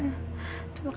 tidak ada apa apa